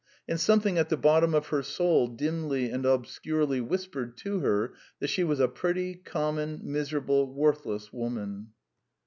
And something at the bottom of her soul dimly and obscurely whispered to her that she was a pretty, common, miserable, worthless woman.